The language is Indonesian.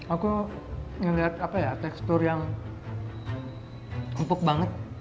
aku ngeliat apa ya tekstur yang empuk banget